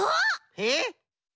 えっ？